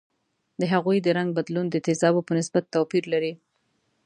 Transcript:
د هغوي د رنګ بدلون د تیزابو په نسبت توپیر لري.